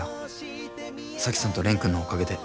沙樹さんと蓮くんのおかげで。